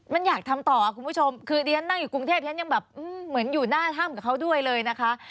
มันอยากทำต่อคุณผู้ชมคือดิฉันนั่งอยู่กรุงเทพฉันยังแบบเหมือนอยู่หน้าถ้ำกับเขาด้วยเลยนะคะ